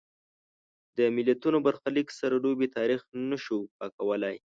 د ملتونو برخلیک سره لوبې تاریخ نه شو پاکولای.